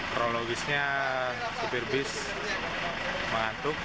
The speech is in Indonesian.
kronologisnya sopir bus mengantuk